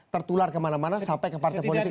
tertular kemana mana sampai ke partai politik